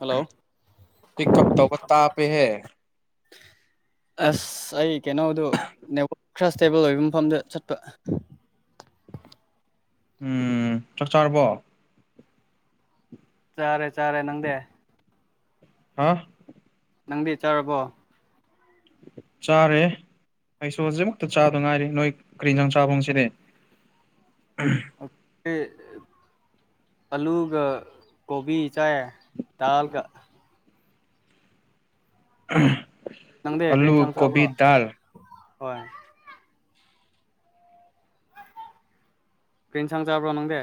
Hello ꯄꯤꯞ ꯇꯧꯧꯕꯠꯇꯄꯦ ꯍ ꯑꯁ ꯑꯩ ꯀꯩꯅꯣꯗꯨ ꯅ ꯈ꯭ꯔꯁꯇꯦꯕꯦꯜ ꯑꯣꯏꯕ ꯃꯐꯝꯗ ꯆꯠꯄ ꯎꯝ ꯆꯥꯛ ꯆꯥꯔꯕꯣ ꯆꯥꯔꯦ ꯆꯥꯔꯦ ꯅꯪꯗꯦ ꯍꯥ ꯅꯪꯗꯤ ꯆꯥꯔꯕꯣ ꯆꯥꯔꯦ ꯑꯩꯁꯨ ꯍꯧꯖꯤꯛꯃꯛꯇ ꯆꯥꯕ ꯉꯥꯏꯔꯤꯦ ꯅꯣꯏ ꯀꯔꯤꯖꯪ ꯆꯥꯐꯝꯣꯡꯁꯤꯗꯤ [unintelligible] ꯑꯜꯂꯨ ꯀ ꯀꯣꯕꯤꯤ ꯆꯥ ꯗꯜ ꯀ ꯅꯪꯗ ꯍ ꯑꯂꯨ ꯀꯅ ꯁ ꯀꯣꯕꯤ ꯆꯕ꯭ꯔꯣ ꯗꯥꯜ ꯍꯣꯏ ꯀ꯭ꯔꯔꯤꯦꯟꯁꯥꯡꯖꯕ꯭ꯔꯣ ꯅꯪꯗꯦ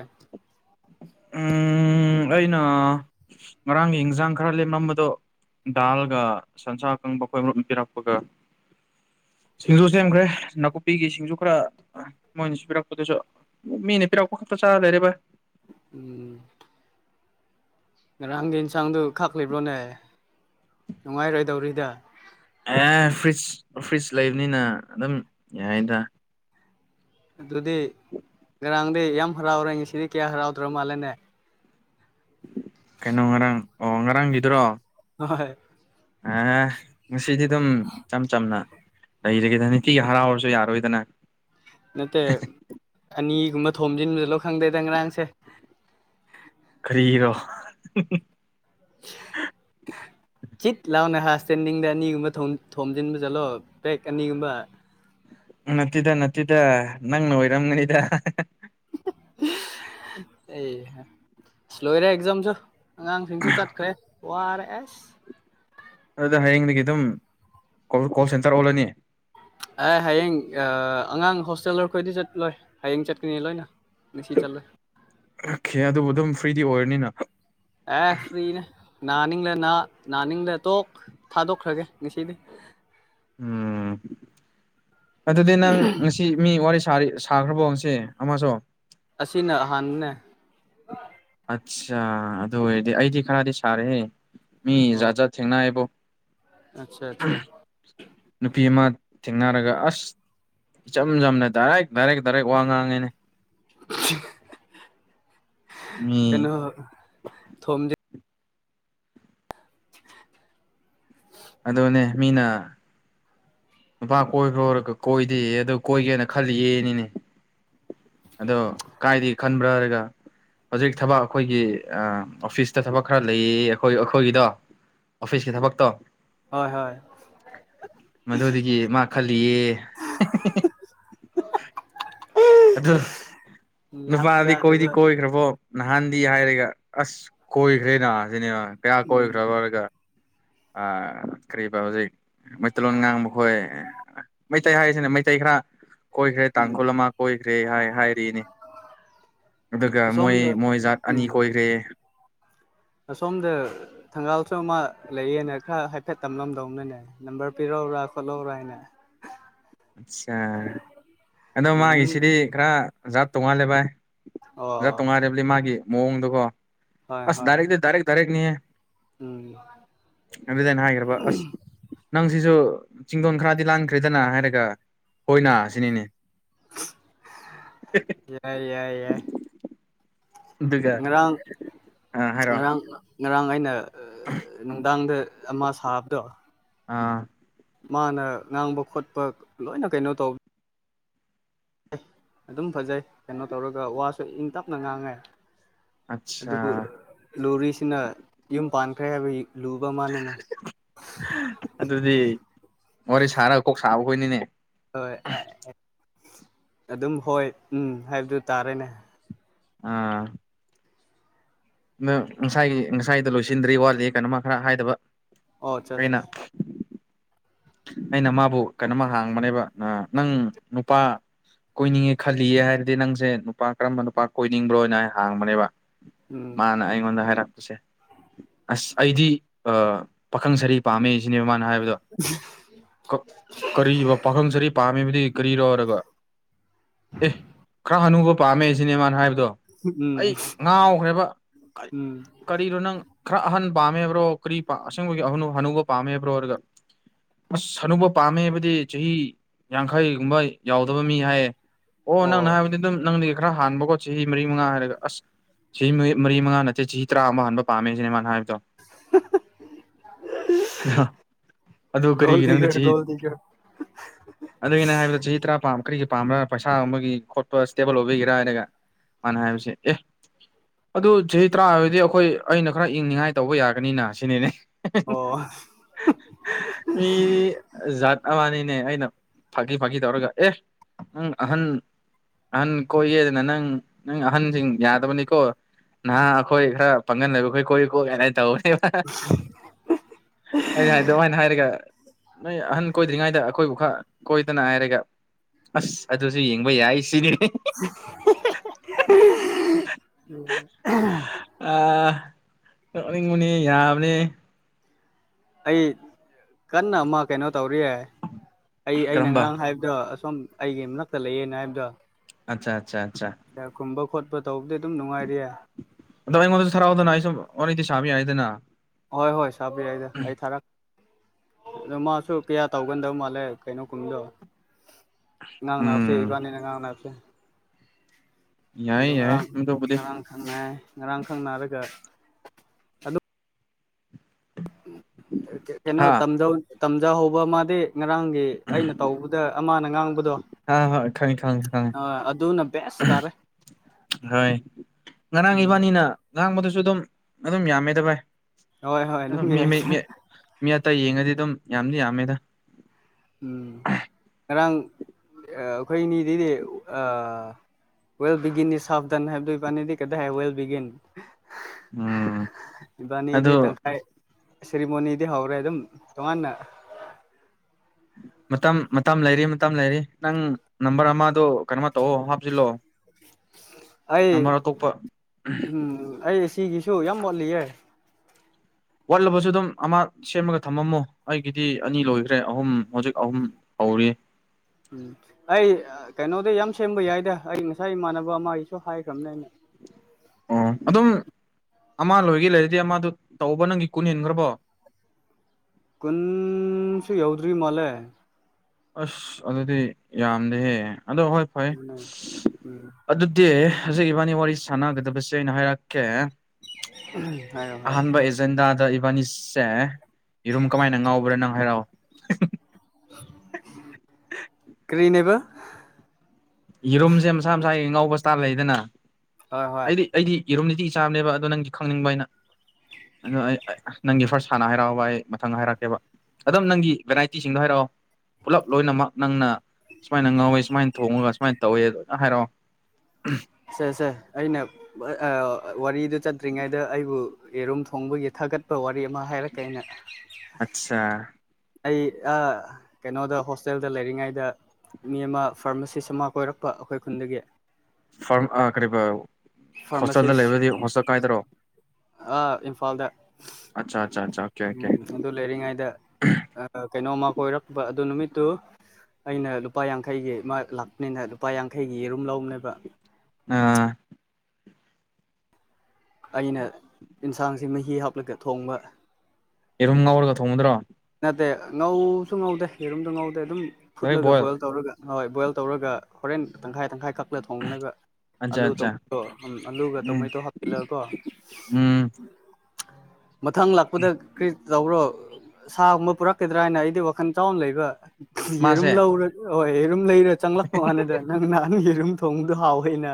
ꯎꯝ ꯑꯩꯅ ꯉꯔꯥꯡꯒꯤ ꯏꯟꯖꯥꯡ ꯈꯔ ꯂꯦꯝꯃꯝꯕꯗꯣ ꯗꯥꯜꯒ ꯁꯟꯁꯥ ꯀꯪꯕ ꯑꯩꯈꯣꯏ ꯃꯔꯨꯝ ꯄꯤꯔꯛꯄꯒ ꯁꯤꯡꯖꯨ ꯁꯦꯝꯈ꯭ꯔꯦ ꯅꯥꯀꯨꯞꯄꯤꯒꯤ ꯁꯤꯡꯖꯨ ꯈꯔ ꯃꯣꯏꯅꯁꯨ ꯄꯤꯔꯛꯄꯗꯨꯁꯨ ꯃꯤꯅ ꯄꯤꯔꯛꯄ ꯈꯛꯇ ꯆꯥ ꯂꯩꯔꯦꯕ ꯎꯝ ꯉꯔꯥꯡꯒꯤ ꯏꯟꯁꯥꯡꯗꯨ ꯈꯥꯛꯂꯤꯕ꯭ꯔꯣꯅꯦ ꯅꯨꯡꯉꯥꯏꯔꯣꯏꯗꯧꯔꯤꯗ ꯑꯦ ꯐ꯭ꯔꯤꯖ ꯐ꯭ꯔꯤꯖ ꯂꯩꯕꯅꯤꯅ ꯑꯗꯨꯝ ꯌꯥ ꯍꯥꯏꯗ ꯑꯗꯨꯗꯤ ꯉꯔꯥꯡꯗꯤ ꯌꯥꯝ ꯍꯔꯥꯎꯔꯦ ꯉꯁꯤꯗꯤ ꯀꯌꯥ ꯍꯔꯥꯎꯗ꯭ꯔ ꯃꯥꯜꯂꯦꯅꯦ ꯀꯩꯅꯣ ꯉꯔꯥꯡ ꯑꯣ ꯉꯔꯥꯡꯒꯤꯗ꯭ꯔꯣ ꯑ ꯍꯣꯏ ꯑꯦ ꯉꯁꯤꯗꯤ ꯑꯗꯨꯝ ꯏꯝ ꯆꯝꯅ ꯂꯩꯔꯒꯦꯗ ꯇꯤꯒꯤ ꯍꯔꯥꯎ ꯑꯣꯏꯔꯁꯨ ꯌꯥꯔꯣꯏꯗꯅ ꯅꯠꯇꯦ ꯑꯅꯤꯒꯨꯝꯕ ꯊꯣꯝꯖꯤꯟꯕꯁꯨ ꯂ ꯈꯪꯗꯦꯗ ꯉꯔꯥꯡꯁꯦ ꯈꯔꯤꯔꯣ [inaudible] ꯆꯤꯠ ꯂꯥꯎꯅꯦ ꯍꯥ ꯁꯇꯦꯟꯗꯤꯡꯗ ꯑꯅꯤꯒꯨꯝꯕ ꯊꯣꯝꯖꯤꯟꯕ ꯆꯠꯂꯣ ꯕ꯭ꯔꯦꯛ ꯑꯅꯤꯒꯨꯝꯕ ꯅꯠꯇꯦꯗ ꯅꯠꯇꯦꯗ ꯅꯪꯅ ꯑꯣꯏꯔꯝꯅꯤꯅꯤꯗ ꯑꯦ ꯁ꯭ꯂꯣꯋꯔ ꯑꯦꯖꯝꯁꯨ ꯑꯉꯥꯡꯁꯤꯡꯁꯨ ꯆꯠꯈ꯭ꯔꯦ ꯋꯥ ꯑꯥꯔ ꯑꯦꯁ ꯑꯗꯨꯗ ꯍꯌꯦꯡꯗꯒꯤ ꯑꯗꯨꯝ ꯀꯣꯜ ꯁꯦꯟꯇꯔ ꯑꯣꯜꯂꯅꯤ ꯑꯦ ꯍꯌꯦꯡ ꯑꯉꯥꯡ ꯍꯣꯁꯇꯦꯜꯈꯣꯏꯗꯤ ꯆꯠꯂꯣꯏ ꯍꯌꯦꯡ ꯆꯠꯀꯅꯤ ꯂꯣꯏꯅ ꯅꯤꯡꯁꯤꯤ ꯆꯜꯂꯦ ꯑꯣ ꯈꯦ ꯑꯗꯨꯕꯨ ꯑꯗꯨꯝ ꯐ꯭ꯔꯤꯗꯤ ꯑꯣꯏꯔꯅꯤꯅ ꯑꯦ ꯐ꯭ꯔꯤꯅꯦ ꯅꯥꯅꯤꯡꯂꯅꯥ ꯅꯥꯅꯤꯡꯂ ꯇꯣꯛ ꯊꯥꯗꯣꯛꯈ꯭ꯔꯒꯦ ꯉꯁꯤꯗꯤ ꯎꯝ ꯑꯗꯨꯗꯤ ꯅꯪ ꯁꯤ ꯃꯤ ꯋꯥꯔꯤ ꯁꯥ ꯁꯥꯈ꯭ꯔꯕꯣꯁꯦ ꯑꯃꯁꯨ ꯑꯁꯤꯅ ꯑꯍꯥꯟꯅ ꯑꯠꯆꯥ ꯑꯗꯨ ꯑꯣꯏꯔꯗꯤ ꯑꯩꯗꯤ ꯈꯔꯗꯤ ꯁꯥꯔꯦꯍꯦ ꯃꯤ ꯖꯥꯠ ꯖꯥꯠ ꯊꯦꯡꯅꯑꯕꯣ ꯑꯆꯥ ꯑꯆꯥ ꯅꯨꯄꯤ ꯑꯃ ꯊꯦꯡꯅꯔꯒ ꯑꯁ ꯏꯆꯝ ꯆꯝꯅ ꯗꯥꯏꯔꯦꯛ ꯗꯥꯏꯔꯦꯛ ꯗꯥꯏꯔꯦꯛ ꯋꯥ ꯉꯥꯡꯉꯦꯅꯦ ꯃꯤ ꯀꯩꯅꯣ ꯊꯣꯝꯗꯦ ꯑꯗꯨꯅꯦ ꯃꯤꯅ ꯅꯨꯄꯥ ꯀꯣꯏꯕꯈ꯭ꯔꯣ ꯔꯒ ꯀꯣꯏꯗꯦꯌꯦ ꯑꯗꯨ ꯀꯣꯏꯒꯦꯅ ꯈꯜꯂꯤꯌꯦꯅꯤꯅꯦ ꯑꯗꯣ ꯀꯥꯏꯗꯩ ꯈꯟꯕ꯭ꯔꯥ ꯍꯥꯏꯔꯒ ꯍꯧꯖꯤꯛ ꯊꯕꯛ ꯑꯩꯈꯣꯏꯒꯤ ꯑ ꯑꯣꯐꯤꯁꯇ ꯊꯕꯛ ꯈꯔ ꯂꯩꯌꯦ ꯑꯩꯈꯣꯏ ꯑꯩꯈꯣꯏꯒꯤꯗꯣ ꯑꯣꯐꯤꯁꯀꯤ ꯊꯕꯛꯇꯣ ꯍꯣꯏ ꯍꯣꯏ ꯃꯗꯨꯗꯒꯤ ꯃꯥ ꯈꯜꯂꯤꯌꯦ ꯑꯗꯨꯗ ꯎꯝ ꯍꯥꯞ ꯅꯨꯄꯥꯗꯤ ꯀꯣꯏꯗꯤ ꯆꯥꯗꯕ ꯀꯣꯏꯈ꯭ꯔꯕꯣ ꯅꯍꯥꯟꯗꯤ ꯍꯥꯏꯔꯒ ꯑꯁ ꯀꯣꯏꯈ꯭ꯔꯦꯅ ꯁꯤꯅꯦ ꯀꯌꯥ ꯎꯝ ꯀꯣꯏꯈ꯭ꯔꯕꯣ ꯍꯥꯏꯔꯒ ꯑ ꯀꯔꯤꯕ ꯍꯧꯖꯤꯛ ꯃꯩꯇꯩꯂꯣꯟ ꯉꯥꯡꯕ ꯍꯣꯏ ꯃꯩꯇꯩ ꯍꯥꯏꯔꯤꯁꯤꯅ ꯃꯩꯇꯩ ꯈꯔ ꯀꯣꯏꯈ꯭ꯔꯦ ꯎꯝ ꯇꯥꯡꯈꯨꯜ ꯑꯃ ꯀꯣꯏꯈ꯭ꯔꯦ ꯍꯥꯏ ꯍꯥꯏꯔꯤꯅꯦ ꯑꯗꯨꯒ ꯃꯣꯏ ꯑꯁꯣꯝꯗ ꯃꯣꯏ ꯖꯥꯠ ꯑꯅꯤ ꯎꯝ ꯀꯣꯏꯈ꯭ꯔꯦꯌꯦ ꯑꯁꯣꯝꯗ ꯊꯪꯒꯥꯜꯁꯨ ꯑꯃ ꯂꯩꯌꯦꯅ ꯈꯔ ꯍꯥꯏꯐꯦꯠ ꯇꯝꯂꯝꯗꯧꯅꯅꯦ ꯅꯝꯕꯔ ꯄꯤꯔꯛ ꯎꯔꯥ ꯈꯣꯠꯂꯧꯔꯥ ꯍꯥꯏꯅ ꯑꯠꯆꯥ ꯑꯗꯣ ꯎꯝ ꯃꯥꯒꯤꯁꯤꯗꯤ ꯈꯔ ꯖꯥꯠ ꯇꯣꯡꯉꯥꯜꯂꯦ ꯚꯥꯏ ꯖꯥꯠ ꯑꯣ ꯇꯣꯉꯥꯜꯂꯦꯑꯕꯗꯤ ꯃꯥꯒꯤ ꯃꯑꯣꯡꯗꯨꯀꯣ ꯍꯣꯏ ꯑꯁ ꯍꯣꯏ ꯗꯥꯏꯔꯦꯛꯇꯤ ꯗꯥꯏꯔꯦꯛ ꯗꯥꯏꯔꯦꯛꯅꯤꯌꯦ ꯎꯝ ꯑꯗꯨꯗꯤ ꯑꯩꯅ ꯍꯥꯏꯒꯔꯕ ꯑꯁ ꯅꯪ ꯁꯤꯁꯨ ꯆꯤꯡꯗꯣꯟ ꯈꯔꯗꯤ ꯂꯥꯟꯈ꯭ꯔꯦꯗꯅ ꯍꯥꯏꯔꯒ ꯍꯣꯏꯅꯥ ꯖꯤꯅꯤꯅꯦ ꯌꯥꯏ ꯌꯥꯏ ꯌꯥꯏ ꯑꯗꯨꯒ ꯉꯔꯥꯡ ꯑꯥ ꯍꯥꯏꯔꯣ ꯉꯔꯥꯡ ꯉꯔꯥꯡ ꯑꯩꯅ ꯑ ꯅꯨꯡꯗꯥꯡꯗ ꯑꯃ ꯁꯥꯕꯗꯣ ꯑ ꯃꯥꯅ ꯉꯥꯡꯕ ꯈꯣꯠꯄ ꯂꯣꯏꯅ ꯀꯩꯅꯣ ꯇꯧ ꯑꯗꯨꯝ ꯐꯖꯩ ꯀꯩꯅꯣ ꯇꯧꯔꯒ ꯋꯥꯁꯨ ꯏꯪ ꯇꯞꯅ ꯉꯥꯡꯉꯦ ꯑꯠꯆꯥ ꯑꯗꯨꯕꯨ ꯂꯨꯔꯤꯁꯤꯅ ꯌꯨꯝ ꯄꯥꯟꯈ꯭ꯔꯦ ꯍꯥꯏꯕꯒꯔ ꯂꯨꯕ ꯑꯃꯅꯦꯅꯦ ꯑꯗꯨꯗꯤ ꯋꯥꯔꯤ ꯁꯥꯔꯒ ꯀꯣꯛ ꯁꯥꯕ ꯈꯣꯏꯅꯤꯅꯦ ꯍꯣꯏ ꯑꯗꯨꯝ ꯍꯣꯏ ꯎꯝ ꯍꯥꯏꯕꯗꯨ ꯇꯥꯔꯦꯅꯦ ꯑ ꯗꯨ ꯉꯁꯥꯏꯒꯤ ꯉꯁꯥꯏꯗꯣ ꯂꯣꯏꯁꯤꯟꯗ꯭ꯔꯤ ꯋꯥꯠꯂꯤ ꯀꯩꯅꯣꯝꯃ ꯈꯔ ꯍꯥꯏꯗꯕ ꯑꯣ ꯑꯠꯆꯥ ꯑꯠꯆꯥ ꯑꯩꯅ ꯑꯩꯅ ꯃꯥꯕꯨ ꯀꯩꯅꯣꯝꯃ ꯉꯥꯡꯕꯅꯦꯕ ꯑ ꯅꯪ ꯅꯨꯄꯥ ꯀꯣꯏꯅꯤꯡꯉꯦ ꯈꯜꯂꯤꯌꯦ ꯍꯥꯏꯔꯗꯤ ꯅꯪꯖꯦ ꯅꯨꯄꯥ ꯀꯔꯝꯕ ꯅꯨꯄꯥ ꯀꯣꯏꯅꯤꯡꯕ꯭ꯔꯣꯅ ꯑꯩ ꯍꯥꯡꯕꯅꯦꯕ ꯎꯝ ꯃꯥꯅ ꯑꯩꯉꯣꯟꯗ ꯍꯥꯏꯔꯛꯄꯁꯦ ꯑꯁ ꯑꯩꯗꯤ ꯑ ꯄꯥꯈꯪ ꯁꯥꯔꯤ ꯄꯥꯝꯃꯦ ꯁꯤꯅꯦꯕ ꯃꯥꯅ ꯍꯥꯏꯕꯗꯣ [inaudible] ꯀꯞ ꯀꯔꯤ ꯑꯕ ꯄꯈꯪꯁꯔꯤ ꯄꯥꯝꯃꯤꯕꯗꯤ ꯀꯔꯤꯔꯣꯔꯒ ꯑꯦ ꯈꯔ ꯍꯅꯨꯕ ꯄꯥꯝꯃꯦ ꯁꯤꯅꯦ ꯃꯥꯅ ꯍꯥꯏꯕꯗꯣ ꯑꯩ ꯎꯝ ꯉꯥꯎꯈ꯭ꯔꯦꯕ ꯀꯔꯤ ꯎꯝ ꯀꯔꯤꯅꯣ ꯅꯪ ꯈꯔ ꯑꯍꯟ ꯄꯥꯝꯃꯦꯕ꯭ꯔꯣ ꯀꯔꯤ ꯄꯝ ꯑꯁꯦꯡꯕꯒꯤ ꯍꯅꯨꯕ ꯄꯥꯝꯃꯦꯕ꯭ꯔꯣꯔꯒ ꯑꯁ ꯍꯅꯨꯕ ꯄꯥꯝꯃꯦ ꯍꯥꯏꯕꯗꯤ ꯆꯍꯤ ꯌꯥꯡꯈꯩꯒꯨꯝꯕ ꯌꯥꯎꯗꯕ ꯃꯤ ꯍꯥꯏꯌꯦ ꯑꯣ ꯅꯪꯅ ꯍꯥꯏꯕꯗꯤ ꯑꯗꯨꯝ ꯅꯪꯗꯩ ꯈꯔ ꯍꯥꯟꯕ ꯀꯣ ꯆꯍꯤ ꯃꯔꯤ ꯃꯉꯥ ꯍꯥꯏꯔꯒ ꯑꯁ ꯆꯍꯤ ꯃꯔꯤ ꯃꯔꯤ ꯃꯉꯥ ꯅꯠꯇꯦ ꯆꯍꯤ ꯇꯔꯥ ꯑꯃ ꯍꯟꯕ ꯄꯥꯝꯃꯦ ꯁꯤꯅꯦ ꯃꯥꯅ ꯍꯥꯏꯕꯗꯣ [inaudible] ꯑꯗꯨ ꯒꯣꯜ ꯀꯔꯤꯒꯤ ꯅꯪꯗꯤ ꯗꯤꯒꯔ ꯆꯍꯤ ꯒꯣꯜ ꯗꯤꯒꯔ ꯑꯗꯨꯒꯤꯅ ꯍꯥꯏꯕꯗ ꯆꯍꯤ ꯇꯔꯥ ꯄꯝ ꯀꯔꯤꯒꯤ ꯄꯥꯝꯕ꯭ꯔꯥ ꯄꯩꯁꯥ ꯑꯃꯒꯤ ꯈꯣꯠꯄ ꯏꯁꯇꯦꯕꯜ ꯑꯣꯏꯕꯤꯒꯤꯔꯥ ꯑꯩꯅ ꯃꯥꯅ ꯍꯥꯏꯕꯁꯦ ꯑꯦ ꯑꯗꯨ ꯆꯍꯤ ꯇꯔꯥ ꯍꯥꯏꯕꯗꯤ ꯑꯩꯈꯣꯏ ꯑꯩꯅ ꯈꯔ ꯏꯪꯅꯤꯡꯉꯥꯏ ꯇꯧꯕ ꯌꯥꯒꯅꯤꯅ ꯁꯤꯅꯤꯅꯦ ꯑꯣ ꯃꯤ ꯖꯥꯠ ꯑꯃꯅꯤꯅꯤꯅꯦ ꯑꯩꯅ ꯐꯥꯀꯤ ꯐꯥꯀꯤ ꯇꯧꯔꯒ ꯑꯦ ꯎꯝ ꯑꯍꯟ ꯑꯍꯟ ꯀꯣꯏꯒꯦꯗ ꯅ ꯅꯪ ꯅꯪ ꯑꯍꯟꯁꯤꯡ ꯌꯥꯗꯕꯅꯤꯀꯣ ꯅꯍꯥ ꯑꯩꯈꯣꯏ ꯈꯔ ꯄꯥꯡꯒꯟ ꯂꯩꯕ ꯑꯩꯈꯣꯏ ꯀꯣꯏꯏ ꯀꯣꯛ ꯀꯅꯅ ꯇꯧꯅꯤ ꯑꯍ ꯑꯩꯅ ꯑꯗꯨꯃꯥꯏꯅ ꯍꯥꯏꯔꯒ ꯅꯣꯏ ꯑꯍꯟ ꯀꯣꯏꯗ꯭ꯔꯤꯉꯥꯏꯗ ꯑꯩꯈꯣꯏꯕꯨ ꯈꯔ ꯀꯣꯏꯗꯅ ꯍꯥꯏꯔꯒ ꯑꯁ ꯑꯗꯨꯁꯨ ꯌꯦꯡꯕ ꯌꯥꯏ ꯁꯤꯅꯤ ꯍꯦꯍꯍꯦ [unintelligible] ꯑ ꯅꯣꯛꯅꯤꯡꯕꯅꯦ ꯌꯥꯕꯅꯦ ꯑꯩ ꯀꯟꯅ ꯑꯃ ꯀꯩꯅꯣ ꯇꯧꯔꯤꯌꯦ ꯑꯩ ꯑꯩꯅ ꯀꯔꯝꯕ ꯉꯔꯥꯡ ꯍꯥꯏꯕꯗꯣ ꯑꯁꯣꯝ ꯑꯩꯒꯤ ꯃꯛꯇ ꯂꯩꯌꯦꯅ ꯍꯥꯏꯕꯗꯣ ꯑꯆꯥ ꯑꯆꯥ ꯑꯆꯥ ꯌꯥ ꯀꯨꯝꯕ ꯈꯣꯠꯄ ꯇꯧꯕꯗꯤ ꯑꯗꯨꯝ ꯅꯨꯡꯉꯥꯏꯔꯤꯌꯦ ꯑꯗꯣ ꯑꯩꯉꯣꯟꯗꯁꯨ ꯍꯔꯥꯎꯗꯅ ꯑꯩ ꯁꯨꯝꯗꯤ ꯁꯥꯕꯤ ꯍꯥꯏꯗꯅ ꯍꯣꯏ ꯍꯣꯏ ꯁꯥꯕꯤꯔꯛꯏꯗ ꯑꯩ ꯊꯥꯔꯛꯦ ꯑꯗꯣ ꯃꯥꯁꯨ ꯀꯌꯥ ꯇꯧꯒꯟꯗꯕ ꯃꯥꯜꯂꯦ ꯀꯩꯅꯣ ꯀꯨꯝꯗꯣ ꯉꯥꯡꯅꯥꯞꯁꯦ ꯎꯝ ꯏꯕꯥꯅꯤꯅ ꯉꯥꯡꯅꯅꯥꯞꯁꯦ ꯌꯥꯏ ꯑꯗꯨ ꯌꯥꯏ ꯉꯔꯥꯡ ꯑꯗꯨꯕꯨꯗꯤ ꯉꯔꯥꯡ ꯈꯪꯅ ꯉꯔꯥꯡ ꯈꯪꯅꯔꯒ ꯑꯗꯨ ꯀꯩꯅꯣ ꯍꯥ ꯇꯝ ꯇꯝꯖꯍꯧꯕ ꯃꯥꯗꯤ ꯉꯔꯥꯡꯒꯤ ꯑꯩꯅ ꯇꯧꯕꯗ ꯑꯃꯅ ꯉꯥꯡꯕꯗ ꯑ ꯍꯣꯏ ꯈꯪꯉꯦ ꯈꯪꯉꯦ ꯑꯗꯨꯅ ꯕꯦꯁ ꯈꯪꯉꯦ ꯇꯥꯔꯦ ꯍꯣꯏ ꯉꯔꯥꯡ ꯎꯝ ꯏꯕꯥꯅꯤꯅ ꯉꯥꯡꯕꯗꯨꯁꯨ ꯑꯗꯨꯝ ꯑꯗꯨꯝ ꯌꯥꯝꯃꯦꯗ ꯚꯥꯏ ꯍꯣꯏ ꯍꯣꯏ ꯑꯗꯨꯝ ꯃꯤ ꯃꯤ ꯌꯥꯏꯗ ꯃꯤ ꯃꯤ ꯑꯇꯩ ꯌꯦꯡꯉꯗꯤ ꯑꯗꯨꯝ ꯌꯥꯝꯗꯤ ꯌꯥꯝꯃꯦꯗ ꯎꯝ ꯉꯔꯥꯡ ꯑ ꯑꯩꯈꯣꯏꯅꯤꯗꯤꯗꯤ ꯑ [unintelligible] ꯎꯝ ꯏꯕꯥꯅꯤꯗꯤ ꯑꯗꯣ ꯇꯪꯈꯥꯏ ꯁꯦꯔꯤꯃꯣꯅꯤꯗꯤ ꯍꯧꯔꯦ ꯑꯗꯨꯝ ꯇꯣꯉꯥꯟꯅ ꯃꯇꯝ ꯃꯇꯝ ꯂꯩꯔꯤ ꯃꯇꯝ ꯂꯩꯔꯤ ꯅꯪ ꯅꯝꯕꯔ ꯑꯃꯗꯣ ꯀꯩꯅꯣꯃ ꯇꯧꯑꯣ ꯍꯥꯞꯆꯤꯜꯂꯛꯑꯣ ꯑꯩ ꯎꯝ ꯑꯩ ꯁꯤꯒꯤꯁꯨ ꯌꯥꯝ ꯋꯥꯠꯂꯤꯌꯦ ꯋꯥꯠꯂꯕꯁꯨ ꯑꯗꯨꯝ ꯑꯃ ꯁꯦꯝꯃꯒ ꯊꯝꯃꯝꯃꯣ ꯑꯩꯒꯤꯗꯤ ꯑꯅꯤ ꯂꯣꯏꯈ꯭ꯔꯦ ꯑꯍꯨꯝ ꯍꯧꯖꯤꯛ ꯑꯍꯨꯝ ꯍꯧꯔꯤ ꯎꯝ ꯑꯩ ꯀꯩꯅꯣꯗ ꯌꯥꯝ ꯁꯦꯝꯕ ꯌꯥꯏꯗ ꯑꯩ ꯉꯁꯥꯏ ꯏꯃꯥꯟꯅꯕ ꯑꯃ ꯑꯩꯁꯨ ꯍꯥꯏꯈ꯭ꯔꯕꯅꯦ ꯑꯩꯅ ꯑꯣ ꯑꯗꯨꯝ ꯑꯃ ꯂꯣꯏꯒꯦ ꯂꯩꯔꯗꯤ ꯑꯃꯗꯨ ꯇꯧꯕ ꯅꯪꯒꯤ ꯀꯨꯟ ꯍꯦꯟꯈ꯭ꯔꯕꯣ ꯀꯟꯁꯨ ꯌꯧꯗ꯭ꯔꯤ ꯃꯥꯂꯦ ꯑꯁ ꯑꯗꯨꯗꯤ ꯌꯥꯝꯗꯦꯍꯦ ꯑꯗꯣ ꯍꯣꯏ ꯐꯩ ꯑꯗꯨ ꯗꯤ ꯍꯧꯖꯤꯛ ꯏꯕꯥꯅꯤ ꯋꯥꯔꯤ ꯁꯥꯟꯅꯒꯗꯕꯁꯦ ꯑꯩꯅ ꯍꯥꯏꯔꯛꯀꯦ ꯑꯝ ꯍꯥꯏꯔꯣ ꯍꯥꯏꯔꯣ ꯖꯟꯗꯥꯗ ꯏꯕꯥꯅꯤꯁꯦ ꯌꯦꯔꯨꯝ ꯀꯃꯥꯏꯅ ꯉꯥꯎꯕ꯭ꯔꯥ ꯅꯪ ꯍꯥꯏꯔꯛꯑꯣ ꯀ꯭ꯔꯤꯅꯦꯕ ꯌꯦꯔꯨꯝꯁꯦ ꯃꯁꯥ ꯃꯁꯥꯒꯤ ꯉꯥꯎꯧꯕꯁꯇꯥꯜ ꯂꯩꯗꯅ ꯍꯣꯏ ꯍꯣꯏ ꯑꯩꯗꯤ ꯑꯩꯗꯤ ꯌꯦꯔꯨꯝꯅꯤꯗꯤ ꯏꯆꯥꯕꯅꯦꯕ ꯑꯗꯣ ꯅꯪꯒꯤ ꯈꯪꯅꯤꯡꯕ ꯑꯩꯅ ꯑꯗꯣ ꯑꯩ ꯅꯪꯒꯤ ꯐꯥꯔꯁ ꯍꯥꯟꯅ ꯍꯥꯏꯔꯛꯑꯑꯣꯕ ꯑꯩ ꯃꯊꯪ ꯍꯥꯏꯔꯛꯀꯦꯕ ꯑꯗꯨꯝ ꯅꯪꯒꯤ ꯚꯦꯔꯥꯏꯇꯤꯁꯤꯡꯗꯣ ꯍꯥꯏꯔꯛꯑꯣ ꯄꯨꯂꯞ ꯂꯣꯏꯅꯃꯛ ꯅꯪꯅ ꯁꯨꯃꯥꯏꯅ ꯉꯧꯋꯦ ꯁꯨꯃꯥꯏꯅ ꯊꯣꯡꯉꯒ ꯁꯨꯃꯥꯏꯅ ꯇꯧꯋꯦ ꯂꯣꯏꯅ ꯍꯥꯏꯔꯛꯑꯣ ꯁꯦ ꯁꯦ ꯑꯩꯅ ꯋꯥꯔꯤꯗꯨ ꯆꯠꯇ꯭ꯔꯤꯉꯩꯗ ꯑꯩꯕꯨ ꯌꯦꯔꯨꯝ ꯊꯣꯡꯕꯒꯤ ꯊꯥꯒꯠ ꯑ ꯋꯥꯔꯤ ꯑꯃ ꯍꯥꯏꯔꯛꯀꯦ ꯑꯩꯅ ꯑꯠꯆꯥ ꯑꯩ ꯀꯩꯅꯣꯗ ꯍꯣꯁꯇꯦꯜꯗ ꯂꯩꯔꯤꯉꯩꯗ ꯃꯤ ꯑꯃ ꯐꯥꯔꯃꯥꯁꯤꯁ ꯑꯃ ꯀꯣꯏꯔꯛꯄ ꯑꯩꯈꯣꯏ ꯈꯨꯟꯗꯒꯤ ꯐꯥꯔꯝ ꯑ ꯀꯔꯤꯕ ꯍꯣꯁꯇꯦꯜꯗ ꯂꯩꯕꯗꯤ ꯍꯣꯁꯇꯦꯜ ꯀꯥꯏꯗꯔꯣ ꯑꯥ ꯏꯝꯐꯥꯜꯗ ꯑꯠꯆꯥ ꯑꯠꯆꯥ ꯑꯠꯆꯥ ꯑꯣꯀꯦ ꯑꯣꯀꯦ ꯎꯝ ꯑꯗꯨ ꯂꯩꯔꯤꯉꯩꯗ ꯀꯩꯅꯣꯃ ꯀꯣꯏꯔꯛꯄ ꯑꯗꯨ ꯅꯨꯃꯤꯠꯇꯨ ꯑꯩꯅ ꯂꯨꯄꯥ ꯌꯥꯡꯈꯩꯒꯤ ꯑꯃ ꯂꯥꯛꯄꯅꯤꯅ ꯂꯨꯄꯥ ꯌꯥꯡꯈꯩꯒꯤꯔꯨꯝ ꯂꯅꯦꯕ ꯑ ꯑꯩꯅ ꯌꯦꯟꯁꯥꯡꯁꯤ ꯃꯍꯤ ꯍꯥꯞꯂꯒ ꯊꯣꯡꯕ ꯌꯦꯔꯨꯝ ꯉꯥꯎꯔꯒ ꯊꯣꯡꯉꯗ꯭ꯔꯣ ꯅꯠꯇꯦ ꯉꯧꯁꯨ ꯉꯧꯗꯦ ꯌꯦꯔꯨꯝꯗ ꯉꯧꯗꯦ ꯑꯗꯨꯝ ꯐꯨꯠꯂꯒ ꯕꯣꯏꯜ ꯇꯧꯔꯒ ꯍꯣꯏ ꯕꯣꯏꯜ ꯇꯧꯔꯒ ꯍꯣꯔꯦꯟ ꯇꯪꯈꯥꯏ ꯇꯪꯈꯥꯏꯈꯛ ꯂ ꯊꯣꯡꯉꯒ ꯑꯠꯆꯥ ꯑꯂꯨ ꯑꯠꯆꯥ ꯑꯂꯨꯒ ꯎꯝ ꯇꯣꯃꯇꯣ ꯍꯥꯞꯆꯤꯜꯂꯒꯀꯣ ꯎꯝ ꯃꯊꯪ ꯂꯥꯛꯄꯗ ꯀꯔꯤ ꯇꯧꯔꯣ ꯁꯥꯒꯨꯝꯕ ꯄꯨꯔꯛꯀꯗ꯭ꯔꯥ ꯍꯥꯏꯅ ꯑꯩꯗꯤ ꯋꯥꯈꯜ ꯆꯥꯎꯅ ꯂꯩꯕ ꯌꯦꯔꯨꯝ ꯃꯥꯁꯦ ꯂꯧꯔ ꯍꯣꯏꯔꯨꯝ ꯂꯩꯔ ꯆꯪꯂꯛꯄ ꯍꯥꯟꯅꯗ ꯅꯪ ꯅꯍꯥꯟ ꯌꯦꯔꯨꯝ ꯊꯣꯡꯗꯨꯣ ꯍꯥꯎꯍꯩꯅ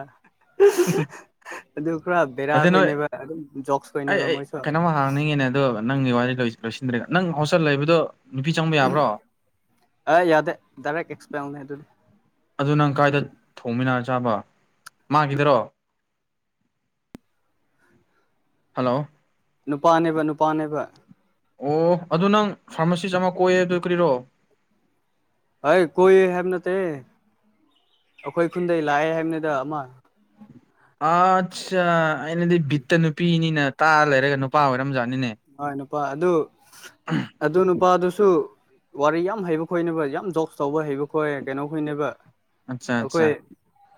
ꯑꯗꯨ ꯄꯨꯔꯥ ꯕꯔ ꯑꯗꯨ ꯍ ꯅꯣꯏ ꯅꯕ ꯑꯗꯨꯝ ꯣꯛꯁ ꯑꯩ ꯅꯕ ꯑꯩ ꯃꯣꯏꯁꯨꯣ ꯀꯩꯅꯣꯝꯃ ꯍꯥꯡꯅꯤꯡꯉꯤꯅꯦ ꯑꯗꯣ ꯅꯪꯒꯤ ꯋꯥꯔꯤ ꯂꯣꯏꯁꯤꯟꯗ꯭ꯔꯦ ꯅꯪ ꯍꯣꯁꯇꯦꯜ ꯂꯩꯕꯗꯣ ꯅꯨꯄꯤ ꯆꯪꯕ ꯌꯥꯕ꯭ꯔꯣ ꯑꯦ ꯌꯥꯗꯦ ꯗꯥꯏꯔꯦꯛ ꯑꯦꯛꯁꯄꯌꯔꯅꯦ ꯑꯗꯨꯗꯤ ꯑꯗꯨ ꯅꯪ ꯀꯥꯏꯗ ꯊꯣꯡꯃꯤꯟꯅ ꯆꯥꯕ ꯃꯥꯒꯤꯗꯔꯣ ꯍꯜꯂꯣ ꯅꯨꯄꯥꯅꯦꯕ ꯅꯨꯄꯥꯅꯦꯕ ꯑꯣ ꯑꯗꯨ ꯅꯪ ꯐꯥꯔꯃꯥꯁꯤꯁ ꯑꯃ ꯀꯣꯏꯌꯦ ꯑꯗꯨ ꯀꯔꯤꯔꯣ ꯑꯩꯏ ꯀꯣꯏꯌꯦ ꯍꯥꯏꯕ ꯅꯠꯇꯦ ꯑꯩꯈꯣꯏ ꯈꯨꯟꯗ ꯂꯥꯛꯑꯦ ꯍꯥꯏꯕꯅꯤꯗ ꯑꯃ ꯑꯠ ꯑꯩꯅꯗꯤ ꯕꯤꯠꯇ ꯅꯨꯄꯤꯅꯤꯅ ꯇꯥꯔ ꯂꯩꯔꯒ ꯅꯨꯄꯥ ꯑꯣꯏꯔꯝꯖꯥꯠꯅꯤꯅꯦ ꯍꯣꯏ ꯅꯨꯄꯥ ꯑꯗꯨ ꯑꯗꯨ ꯅꯨꯄꯥꯗꯨꯁꯨ ꯋꯥꯔꯤ ꯌꯥꯝ ꯍꯩꯕ ꯈꯣꯏꯅꯕ ꯌꯥꯝ ꯗꯖꯣꯁ ꯇꯧꯕ ꯍꯩꯕ ꯈꯣꯏ ꯀꯩꯅꯣ ꯈꯣꯏꯅꯕ ꯑꯠꯆꯥ ꯑꯠꯆꯥ ꯑꯩꯈꯣꯏ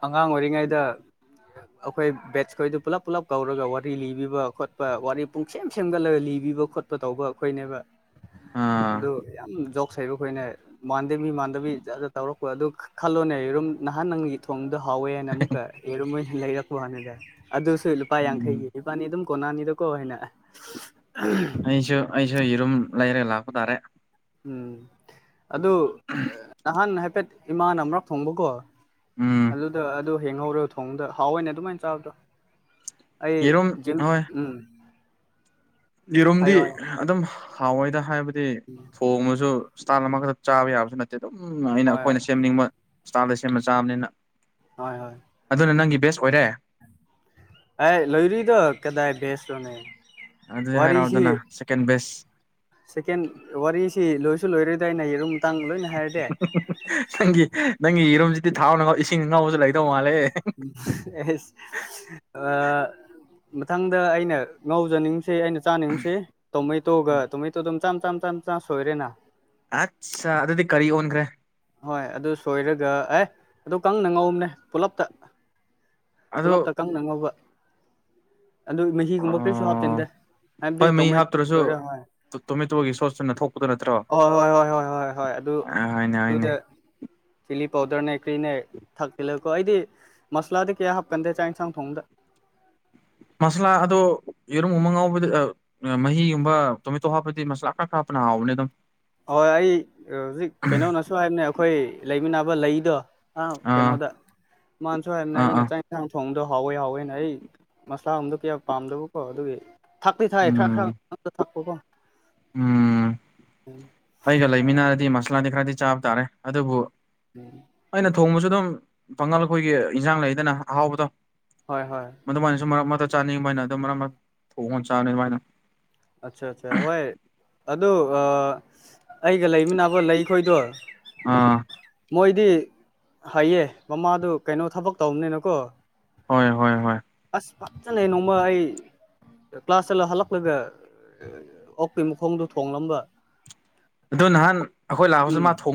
ꯑꯉꯥꯡ ꯑꯣꯏꯔꯤꯉꯩꯗ ꯑꯩꯈꯣꯏ ꯕꯦꯠꯁ ꯈꯣꯏꯗꯨ ꯄꯨꯂꯞ ꯄꯨꯂꯞ ꯀꯧꯔꯒ ꯋꯥꯔꯤ ꯂꯤꯕꯤꯕ ꯈꯣꯠꯄ ꯋꯥꯔꯤ ꯄꯨꯡ ꯁꯦꯝ ꯁꯦꯝꯒ ꯂꯩ ꯕꯤꯕ ꯈꯣꯠꯄ ꯇꯧꯕ ꯑꯩꯈꯣꯏꯅꯦꯕ ꯑ ꯑꯥ ꯌꯥꯝ ꯁꯩꯔꯈꯣꯏꯅꯦ ꯃꯥꯟꯗꯕꯤ ꯃꯥꯟꯗꯕꯤ ꯖꯠꯗ ꯇꯧꯔꯛꯄ ꯑꯗꯨ ꯈꯜꯂꯣꯅꯦꯔꯨꯝ ꯅꯍꯥꯟ ꯅꯪꯒꯤ ꯊꯣꯡꯗꯣ ꯍꯥꯎꯋꯦ ꯍꯥꯏꯅ ꯑꯃꯨꯛꯀ ꯌꯦꯔꯨꯝꯣꯏ ꯂꯩꯔꯛꯄꯣ ꯍꯥꯟꯅꯗ ꯑꯗꯨꯁꯨ ꯂꯨꯄꯥ ꯎꯝ ꯌꯥꯡꯈꯩꯒꯤ ꯀꯕꯥꯅꯤ ꯑꯗꯨꯝ ꯀꯣꯅꯥꯅꯤꯗ ꯀꯣ ꯍ ꯎꯝ ꯑꯩꯁꯨ ꯑꯩꯁꯨ ꯌꯦꯔꯨꯝ ꯂꯩꯔꯒ ꯂꯥꯛꯄ ꯇꯥꯔꯦ ꯎꯝ ꯑꯗꯨ ꯅꯍꯥꯟ ꯍꯥꯏꯐꯦꯠ ꯏꯃꯥꯅ ꯑꯃꯔꯛ ꯊꯣꯡꯕꯀꯣ ꯎꯝ ꯑꯗꯨꯗ ꯑꯗꯨ ꯍꯦꯡꯍꯧꯔꯣ ꯊꯣꯡꯗ ꯍꯥꯎꯑꯣꯏꯅꯦ ꯑꯗꯨꯃꯥꯏꯅ ꯆꯥꯕꯗꯣ ꯌꯦꯔꯨꯝ ꯑꯩꯝ ꯍꯣꯏ ꯎꯝ ꯌꯦꯔꯨꯝꯗꯤ ꯍꯥꯏꯌꯣ ꯍꯥꯏꯌꯣ ꯑꯗꯨꯝ ꯍꯥꯎꯋꯏꯗ ꯍꯥꯏꯕꯗꯤ ꯊꯣꯡꯉꯁꯨ ꯏꯁꯇꯥꯏꯜ ꯑꯃꯈꯛꯇ ꯆꯥꯕ ꯌꯥꯕꯁꯨ ꯅꯠꯇꯦ ꯑꯗꯨꯝ ꯑꯩꯅ ꯍꯣꯏ ꯑꯩꯈꯣꯏꯅ ꯁꯦꯝꯅꯤꯡꯕ ꯏꯁꯇꯥꯏꯜꯗ ꯁꯦꯝꯕ ꯆꯥꯕꯅꯤꯅ ꯍꯣꯏ ꯍꯣꯏ ꯑꯗꯨꯅ ꯅꯪꯒꯤ ꯕꯦꯁ ꯑꯣꯏꯔꯦ ꯑ ꯂꯣꯏꯔꯨꯗ ꯀꯗꯥꯥꯏ ꯕꯁ ꯑꯣꯏ ꯑꯗꯨꯗꯤ ꯍꯥꯏꯔꯛꯑꯣꯗꯅ ꯁꯦꯀꯦꯟ ꯕꯦꯁ ꯁꯦꯀꯦꯟ ꯋꯥꯔꯤꯁꯤ ꯂꯣꯏꯁꯨ ꯂꯣꯏꯔꯣꯏꯗꯏ ꯑꯩꯅ ꯌꯦꯔꯨꯝ ꯃꯇ ꯃꯇꯥꯡ ꯂꯣꯏꯅ ꯍꯥꯏꯔꯁꯤ ꯅꯪꯒꯤ ꯅꯪꯒꯤ ꯌꯦꯔꯨꯝꯁꯤꯗꯤ ꯊꯥꯎꯅꯒꯥꯎ ꯏꯁꯤꯡ ꯑꯉꯥꯎꯕꯁꯨ ꯂꯩꯗꯧ ꯃꯥꯜꯂꯦ ꯑꯦꯁ ꯃꯊꯪꯗ ꯑꯩꯅ ꯉꯥꯎꯖꯅꯤꯡ ꯁꯤ ꯑꯩꯅ ꯆꯥꯅꯤꯡꯁꯤ ꯇꯣꯃꯩꯇꯣꯒ ꯇꯣꯃꯩꯇꯣ ꯑꯗꯨꯝ ꯆ ꯆ ꯆ ꯆ ꯁꯣꯏꯔꯦꯅ ꯑꯠꯁ ꯑꯗꯨꯗꯤ ꯀꯔꯤ ꯑꯣꯟꯈ꯭ꯔꯦ ꯍꯣꯏ ꯑꯗꯨ ꯁꯣꯏꯔꯒ ꯑꯦ ꯑꯗꯨ ꯀꯪꯅ ꯉꯧꯕꯝꯅꯦ ꯄꯨꯂꯞꯇ ꯑꯗꯣ ꯄꯨꯂꯞ ꯇꯀ ꯅꯉꯧꯕ ꯑꯗꯨ ꯃꯍꯤꯒꯨꯝꯕ ꯀꯔꯤꯁꯨ ꯍꯥꯞꯆꯤꯟꯗꯦ ꯍꯥꯏꯕꯗꯤ ꯇꯧꯃꯩ ꯁꯣꯏꯔꯦ ꯍꯣꯏ ꯇꯨꯃꯤꯠꯇꯨꯕꯒꯤ ꯁꯣꯠꯁꯨꯨꯅ ꯊꯣꯛꯄꯗꯣ ꯅꯠꯇ꯭ꯔꯣ ꯍꯣꯏ ꯍꯣꯏ ꯍꯣꯏ ꯍꯣꯏ ꯍꯣꯏ ꯍꯣꯏ ꯑꯗꯨ ꯑ ꯍꯥꯏꯅꯦ ꯍꯥꯏꯅꯦ ꯑꯗꯨꯗ ꯆꯤꯂꯤ ꯄꯥꯎꯗꯔꯅꯦ ꯀ꯭ꯔꯤꯅꯦ ꯊꯥꯛ ꯇꯤꯜꯂꯒꯀꯣ ꯑꯩꯗꯤ ꯃꯁꯂꯥꯗ ꯀꯌꯥ ꯍꯥꯞꯀꯟꯗꯦ ꯆꯥꯛ ꯌꯦꯟꯁꯥꯡ ꯊꯣꯡꯗ ꯃꯁꯂꯥ ꯑꯗꯣ ꯌꯦꯔꯨꯝ ꯑꯃ ꯉꯎꯕꯗ ꯃꯍꯤꯒꯨꯝꯕ ꯇꯣꯃꯦꯇꯣ ꯍꯥꯞꯄꯗꯤ ꯃꯁꯂꯥ ꯈꯔ ꯈꯔ ꯍꯥꯞꯄꯅ ꯍꯥꯎꯕꯅꯦ ꯑꯗꯨꯝ꯫ ꯍꯣꯏ ꯑꯩ ꯍꯧꯖꯤꯛ ꯀꯩꯅꯣꯅꯁꯨ ꯍꯥꯏꯕꯅꯦ ꯑꯩꯈꯣꯏ ꯂꯩꯃꯤꯟꯅꯕ ꯂꯩꯗꯣ ꯑ꯬꯬꯬ ꯑꯥ ꯀꯩꯅꯣꯗ ꯃꯥꯥꯟꯁꯨ ꯍꯥꯏꯕꯅꯦ ꯑꯥ ꯑꯩꯅ ꯑꯥ ꯆꯪ ꯌꯦꯟꯁꯥꯡ ꯊꯣꯡꯗꯣ ꯍꯥꯎꯋꯦ ꯍꯥꯎꯋꯦꯅ ꯑꯩ ꯃꯁꯥ ꯑꯣꯝꯗꯣ ꯀꯌꯥ ꯄꯥꯝꯗꯕꯀꯣ ꯑꯗꯨꯒꯤ ꯊꯥꯛꯤ ꯊꯥꯏ ꯈ꯭ꯔꯥꯛ ꯎꯝ ꯈꯔꯗ ꯊꯥꯛꯄꯒꯣ ꯎꯝ ꯎꯝ ꯑꯩꯒ ꯂꯩꯃꯤꯟꯅꯔꯗꯤ ꯃꯁꯥꯂꯥꯗꯤ ꯈꯔꯗꯤ ꯆꯥꯕ ꯇꯥꯔꯦ ꯑꯗꯨꯕꯨ ꯎꯝ ꯑꯩꯅ ꯊꯣꯡꯕꯁꯨ ꯑꯗꯨꯝ ꯄꯥꯡꯉꯜ ꯑꯩꯈꯣꯏꯒꯤ ꯏꯟꯖꯥꯡ ꯂꯩꯗꯅ ꯑꯍꯥꯎꯕꯗꯣ ꯍꯣꯏ ꯍꯣꯏ ꯑꯗꯨꯃꯥꯏꯅꯁꯨ ꯃꯔꯛ ꯃꯔꯛꯇꯥ ꯆꯥꯅꯤꯡꯕꯅ ꯑꯗꯨꯝ ꯃꯔꯛ ꯃꯔꯛ ꯊꯣꯡꯉꯣ ꯆꯥꯕꯅꯤ ꯑꯗꯨꯃꯥꯏꯅ ꯑꯆꯥ ꯑꯆꯥ ꯍꯣꯏ ꯑꯗꯨ ꯑꯩꯒ ꯂꯩꯃꯤꯅꯕ ꯂꯩꯈꯣꯏꯗꯣ ꯑꯥ ꯃꯣꯏꯗꯤ ꯍꯩꯏꯌꯦ ꯃꯃꯥꯗꯨ ꯀꯩꯅꯣ ꯊꯕꯛ ꯇꯧꯕꯅꯤꯅ ꯀꯣ ꯍꯣꯏ ꯍꯣꯏ ꯍꯣꯏ ꯑꯁ ꯐꯖꯅ ꯅꯣꯡꯃ ꯑꯩ ꯀ꯭ꯂꯥꯁ ꯆꯂ ꯍꯜꯂꯛꯄꯗ ꯑꯣꯛꯀꯤ ꯃꯈꯣꯡꯗꯣ ꯊꯣꯡꯂꯝꯕ ꯑꯗꯨ ꯅꯍꯥꯟ ꯑꯩꯈꯣꯏ ꯂꯥꯛꯄꯁꯨ ꯎꯝ ꯃꯥ ꯊꯣꯡ